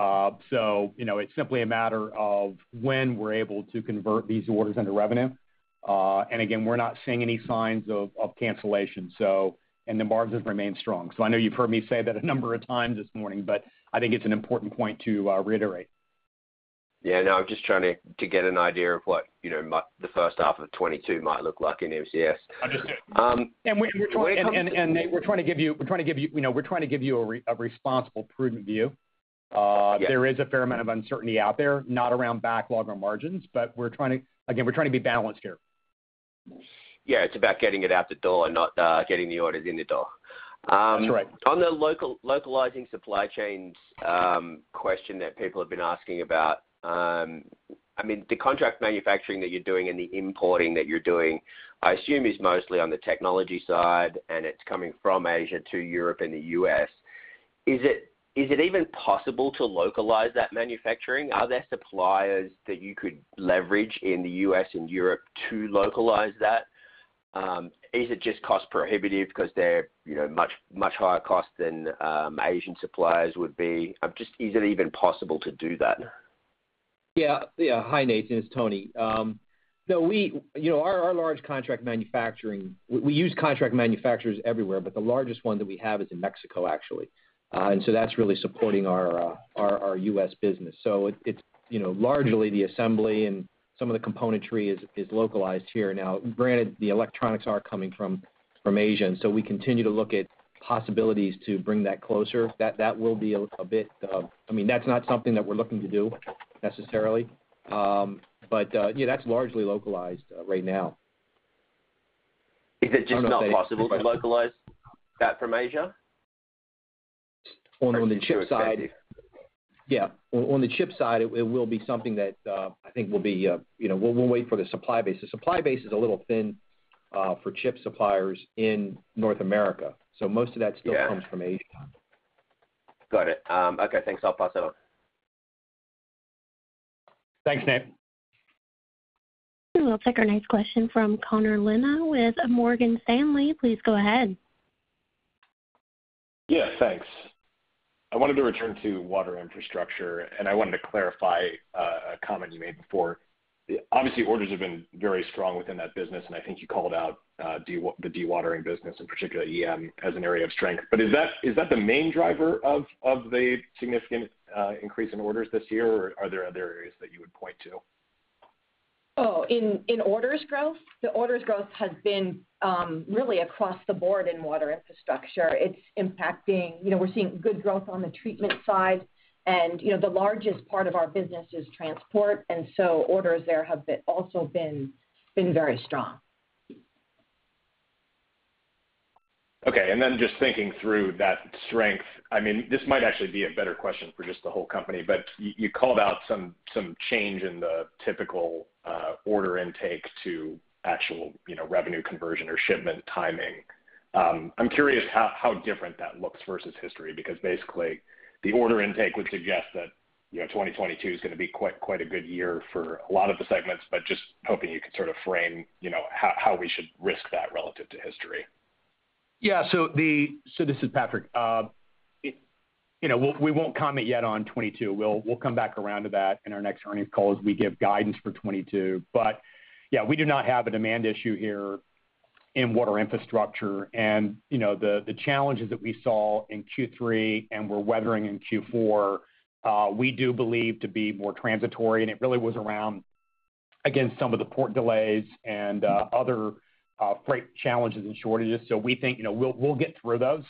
know, it's simply a matter of when we're able to convert these orders into revenue. And again, we're not seeing any signs of cancellation, so, and the margins remain strong. I know you've heard me say that a number of times this morning, but I think it's an important point to reiterate. Yeah, no, I'm just trying to get an idea of what, you know, the first half of 2022 might look like in M&CS. Understood. Um- We're trying to give you, Nate, you know, a responsible, prudent view. Yeah. There is a fair amount of uncertainty out there, not around backlog or margins, but again, we're trying to be balanced here. Yeah, it's about getting it out the door, not getting the orders in the door. That's right. On the localizing supply chains question that people have been asking about, I mean, the contract manufacturing that you're doing and the importing that you're doing, I assume is mostly on the technology side, and it's coming from Asia to Europe and the U.S. Is it even possible to localize that manufacturing? Are there suppliers that you could leverage in the U.S. and Europe to localize that? Is it just cost prohibitive because they're, you know, much higher cost than Asian suppliers would be? Just is it even possible to do that? Hi, Nathan, it's Tony. You know, our large contract manufacturing, we use contract manufacturers everywhere, but the largest one that we have is in Mexico, actually. That's really supporting our U.S. business. It's, you know, largely the assembly and some of the componentry is localized here. Now, granted, the electronics are coming from Asia, and we continue to look at possibilities to bring that closer. That will be a bit. I mean, that's not something that we're looking to do necessarily. Yeah, that's largely localized right now. Is it just not possible to localize that from Asia? On the chip side. Yeah. On the chip side, it will be something that I think will be, you know, we'll wait for the supply base. The supply base is a little thin for chip suppliers in North America, so most of that still. Yeah. comes from Asia. Got it. Okay. Thanks. I'll pass it on. Thanks, Nate. We'll take our next question from Connor Lynagh with Morgan Stanley. Please go ahead. Yeah, thanks. I wanted to return to Water Infrastructure, and I wanted to clarify a comment you made before. Obviously, orders have been very strong within that business, and I think you called out the dewatering business, in particular, EM, as an area of strength. Is that the main driver of the significant increase in orders this year, or are there other areas that you would point to? In orders growth? The orders growth has been really across the board in Water Infrastructure. It's impacting. You know, we're seeing good growth on the treatment side. You know, the largest part of our business is transport, and so orders there have been also very strong. Okay. Just thinking through that strength, I mean, this might actually be a better question for just the whole company. You called out some change in the typical order intake to actual, you know, revenue conversion or shipment timing. I'm curious how different that looks versus history, because basically the order intake would suggest that, you know, 2022 is gonna be quite a good year for a lot of the segments, but just hoping you could sort of frame, you know, how we should risk that relative to history. This is Patrick. You know, we won't comment yet on 2022. We'll come back around to that in our next earnings call as we give guidance for 2022. Yeah, we do not have a demand issue here in Water Infrastructure. You know, the challenges that we saw in Q3 and we're weathering in Q4, we do believe to be more transitory, and it really was around, again, some of the port delays and other freight challenges and shortages. We think, you know, we'll get through those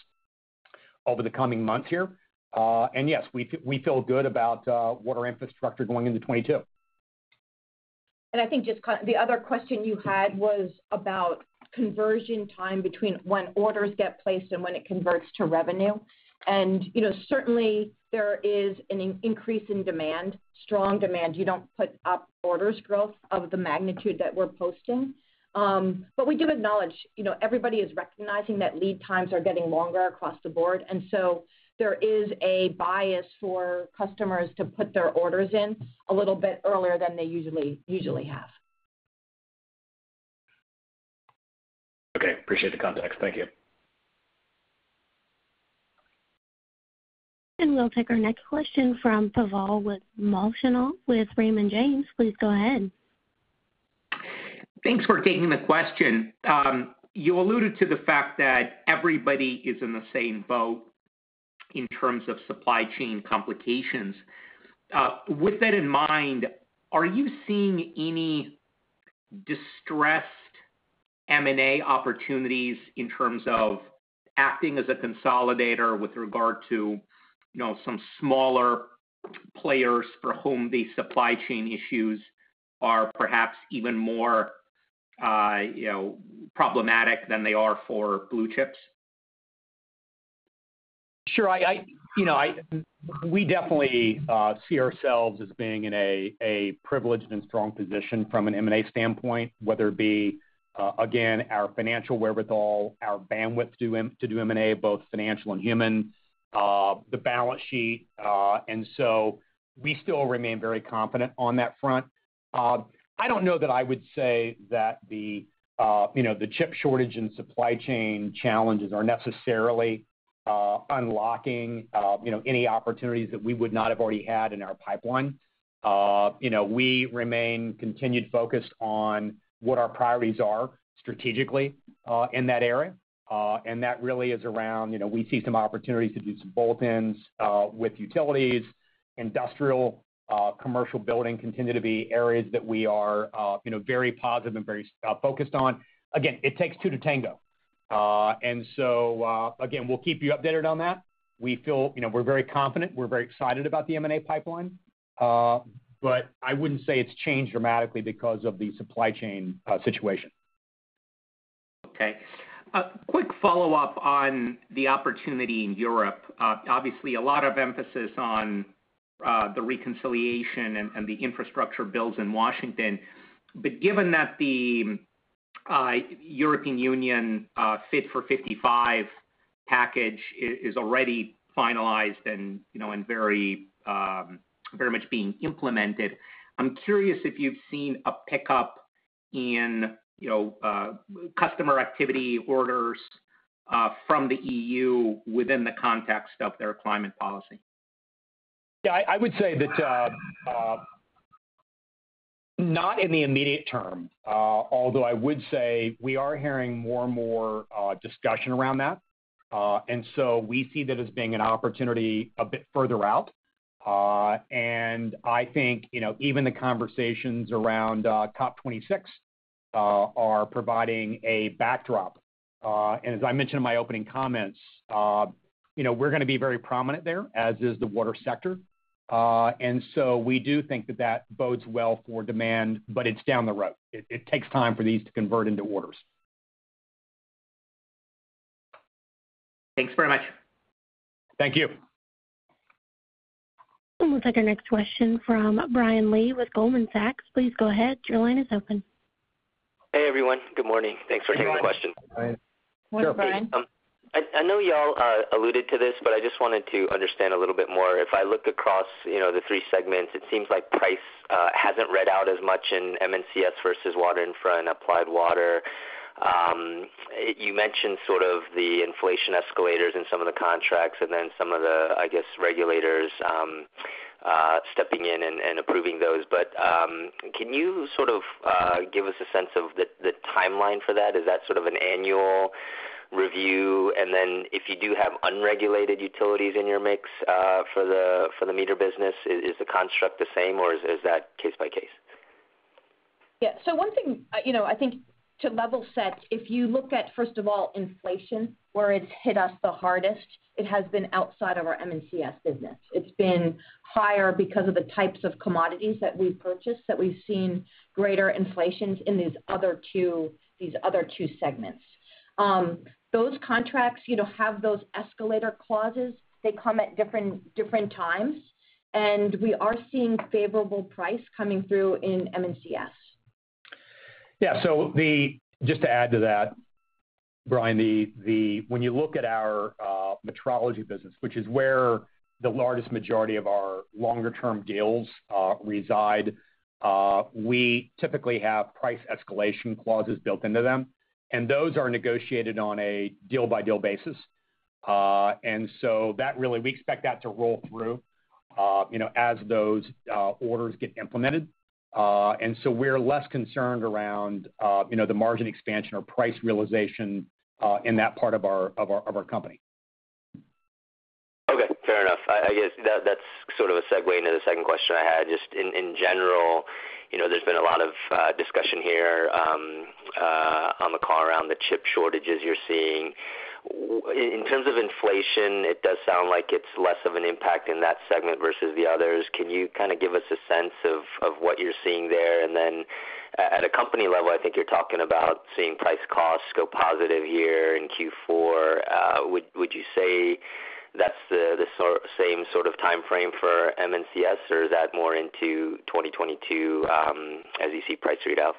over the coming months here. Yes, we feel good about Water Infrastructure going into 2022. I think the other question you had was about conversion time between when orders get placed and when it converts to revenue. You know, certainly there is an increase in demand, strong demand. You don't put up orders growth of the magnitude that we're posting. But we do acknowledge, you know, everybody is recognizing that lead times are getting longer across the board. There is a bias for customers to put their orders in a little bit earlier than they usually have. Okay. Appreciate the context. Thank you. We'll take our next question from Pavel Molchanov with Raymond James. Please go ahead. Thanks for taking the question. You alluded to the fact that everybody is in the same boat in terms of supply chain complications. With that in mind, are you seeing any distressed M&A opportunities in terms of acting as a consolidator with regard to, you know, some smaller players for whom the supply chain issues are perhaps even more, you know, problematic than they are for blue chips? Sure. You know, I... We definitely see ourselves as being in a privileged and strong position from an M&A standpoint, whether it be, again, our financial wherewithal, our bandwidth to do M&A, both financial and human, the balance sheet. We still remain very confident on that front. I don't know that I would say that you know, the chip shortage and supply chain challenges are necessarily unlocking you know, any opportunities that we would not have already had in our pipeline. You know, we remain continued focused on what our priorities are strategically in that area, and that really is around, you know, we see some opportunities to do some bolt-ins with utilities. Industrial, commercial building continue to be areas that we are, you know, very positive and very strategically focused on. Again, it takes two to tango. Again, we'll keep you updated on that. We feel, you know, we're very confident. We're very excited about the M&A pipeline. I wouldn't say it's changed dramatically because of the supply chain situation. Okay. A quick follow-up on the opportunity in Europe. Obviously a lot of emphasis on the reconciliation and the infrastructure bills in Washington. Given that the European Union Fit for 55 package is already finalized and, you know, and very much being implemented, I'm curious if you've seen a pickup in, you know, customer activity orders from the EU within the context of their climate policy. Yeah. I would say that not in the immediate term, although I would say we are hearing more and more discussion around that. We see that as being an opportunity a bit further out. I think, you know, even the conversations around COP 26 are providing a backdrop. As I mentioned in my opening comments, you know, we're gonna be very prominent there, as is the water sector. We do think that that bodes well for demand, but it's down the road. It takes time for these to convert into orders. Thanks very much. Thank you. We'll take our next question from Brian Lee with Goldman Sachs. Please go ahead. Your line is open. Hey, everyone. Good morning. Thanks for taking the question. Morning, Brian. Good morning, Brian. I know y'all alluded to this, but I just wanted to understand a little bit more. If I look across, you know, the three segments, it seems like price hasn't read out as much in M&CS versus Water Infrastructure and Applied Water. You mentioned sort of the inflation escalators in some of the contracts and then some of the, I guess, regulators stepping in and approving those. Can you sort of give us a sense of the timeline for that? Is that sort of an annual review? Then if you do have unregulated utilities in your mix, for the meter business, is the construct the same, or is that case by case? Yeah. One thing, you know, I think to level set, if you look at, first of all, inflation, where it's hit us the hardest, it has been outside of our M&CS business. It's been higher because of the types of commodities that we've purchased, that we've seen greater inflations in these other two segments. Those contracts, you know, have those escalator clauses. They come at different times, and we are seeing favorable price coming through in M&CS. Yeah. Just to add to that, Brian, when you look at our metrology business, which is where the largest majority of our longer term deals reside, we typically have price escalation clauses built into them, and those are negotiated on a deal by deal basis. That really we expect that to roll through, you know, as those orders get implemented. We're less concerned around, you know, the margin expansion or price realization in that part of our company. Okay. Fair enough. I guess that's sort of a segue into the second question I had. Just in general, you know, there's been a lot of discussion here on the call around the chip shortages you're seeing. In terms of inflation, it does sound like it's less of an impact in that segment versus the others. Can you kinda give us a sense of what you're seeing there? Then at a company level, I think you're talking about seeing price cost go positive here in Q4. Would you say that's the same sort of timeframe for M&CS, or is that more into 2022, as you see price read out?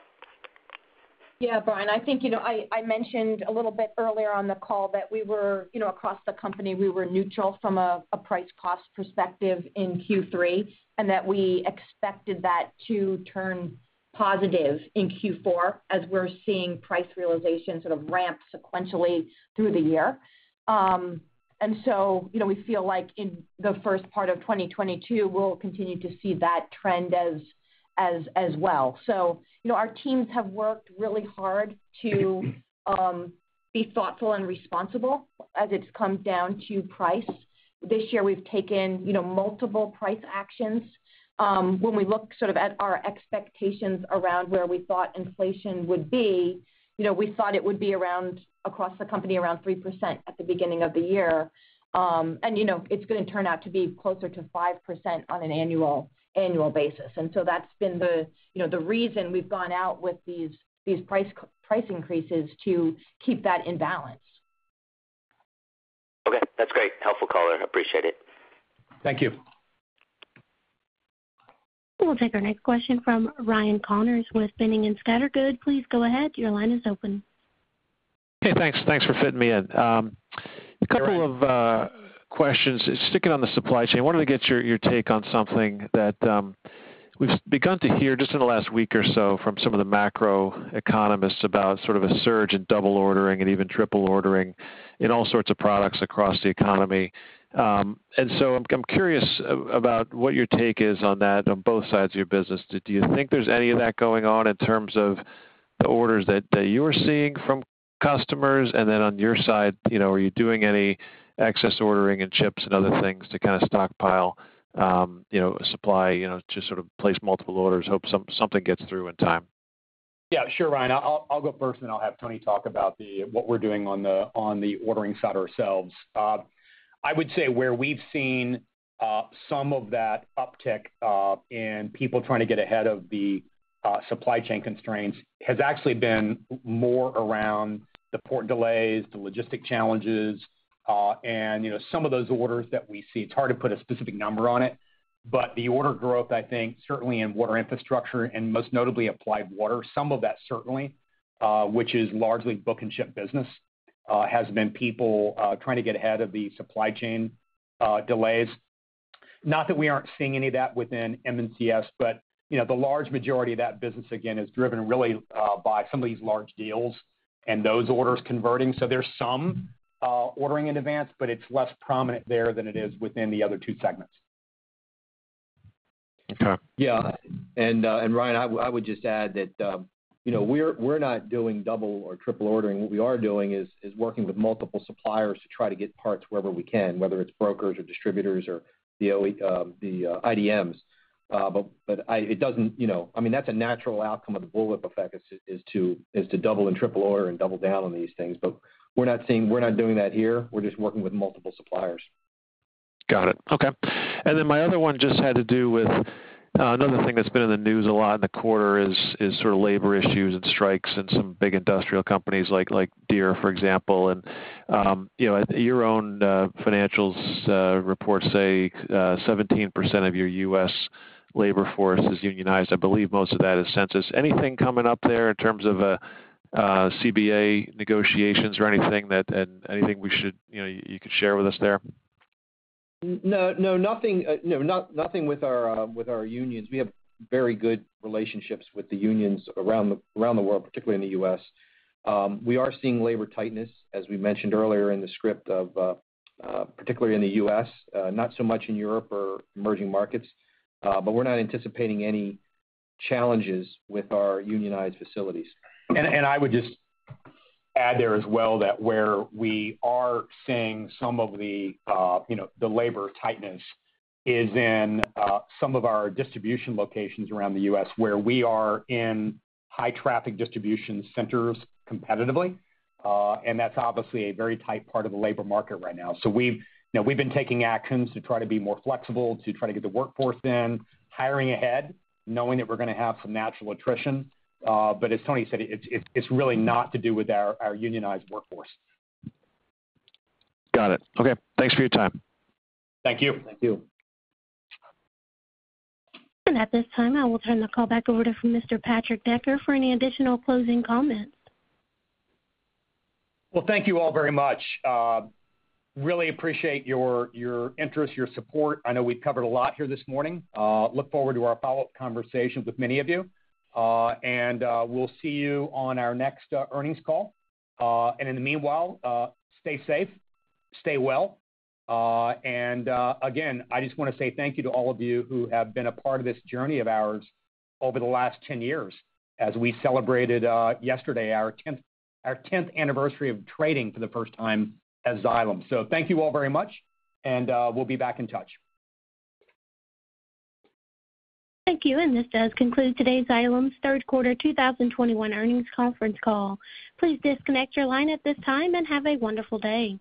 Yeah, Brian, I think, you know, I mentioned a little bit earlier on the call that we were, you know, across the company, we were neutral from a price cost perspective in Q3, and that we expected that to turn positive in Q4 as we're seeing price realization sort of ramp sequentially through the year. You know, we feel like in the first part of 2022, we'll continue to see that trend as well. You know, our teams have worked really hard to be thoughtful and responsible as it's come down to price. This year, we've taken, you know, multiple price actions. When we look sort of at our expectations around where we thought inflation would be, you know, we thought it would be around, across the company, around 3% at the beginning of the year. You know, it's gonna turn out to be closer to 5% on an annual basis. That's been the, you know, the reason we've gone out with these price increases to keep that in balance. Okay. That's great. Helpful color. Appreciate it. Thank you. We'll take our next question from Ryan Connors with Boenning & Scattergood. Please go ahead. Your line is open. Hey, thanks. Thanks for fitting me in. A couple of questions. Sticking on the supply chain, wanted to get your take on something that we've begun to hear just in the last week or so from some of the macro economists about sort of a surge in double ordering and even triple ordering in all sorts of products across the economy. I'm curious about what your take is on that on both sides of your business. Do you think there's any of that going on in terms of the orders that you're seeing from customers? On your side, you know, are you doing any excess ordering in chips and other things to kind of stockpile, you know, supply, you know, to sort of place multiple orders, hope something gets through in time? Yeah, sure, Ryan. I'll go first, and then I'll have Tony talk about what we're doing on the ordering side ourselves. I would say where we've seen some of that uptick in people trying to get ahead of the supply chain constraints has actually been more around the port delays, the logistic challenges, and, you know, some of those orders that we see. It's hard to put a specific number on it, but the order growth, I think, certainly in Water Infrastructure and most notably Applied Water, some of that certainly, which is largely book and ship business, has been people trying to get ahead of the supply chain delays. Not that we aren't seeing any of that within M&CS, but, you know, the large majority of that business, again, is driven really by some of these large deals and those orders converting. So there's some ordering in advance, but it's less prominent there than it is within the other two segments. Okay. Ryan, I would just add that, you know, we're not doing double or triple ordering. What we are doing is working with multiple suppliers to try to get parts wherever we can, whether it's brokers or distributors or the OEM, the IDMs. But it doesn't, you know. I mean, that's a natural outcome of the bullwhip effect to double and triple order and double down on these things. But we're not doing that here. We're just working with multiple suppliers. Got it. Okay. My other one just had to do with another thing that's been in the news a lot in the quarter is sort of labor issues and strikes in some big industrial companies like Deere, for example. You know, your own financials reports say 17% of your U.S. labor force is unionized. I believe most of that is Sensus. Anything coming up there in terms of CBA negotiations or anything we should, you know, you could share with us there? No, nothing with our unions. We have very good relationships with the unions around the world, particularly in the U.S. We are seeing labor tightness, as we mentioned earlier in the script, particularly in the U.S., not so much in Europe or emerging markets, but we're not anticipating any challenges with our unionized facilities. I would just add there as well that where we are seeing some of the, you know, the labor tightness is in some of our distribution locations around the U.S., where we are in high traffic distribution centers competitively. That's obviously a very tight part of the labor market right now. We've, you know, we've been taking actions to try to be more flexible, to try to get the workforce in, hiring ahead, knowing that we're gonna have some natural attrition. As Tony said, it's really not to do with our unionized workforce. Got it. Okay. Thanks for your time. Thank you. Thank you. At this time, I will turn the call back over to Mr. Patrick Decker for any additional closing comments. Well, thank you all very much. Really appreciate your interest, your support. I know we've covered a lot here this morning. Look forward to our follow-up conversation with many of you. We'll see you on our next earnings call. In the meanwhile, stay safe, stay well. Again, I just wanna say thank you to all of you who have been a part of this journey of ours over the last 10 years as we celebrated yesterday our 10th anniversary of trading for the first time as Xylem. Thank you all very much, and we'll be back in touch. Thank you. This does conclude today's Xylem third quarter 2021 earnings conference call. Please disconnect your line at this time and have a wonderful day.